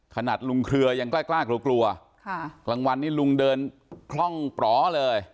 ขนาดลุงเครือยังกล้ากลัวกลัวค่ะกลางวันนี้ลุงเดินคล่องปลอเลย